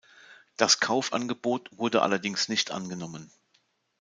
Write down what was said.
Das Kaufangebot wurde allerdings nicht angenommen.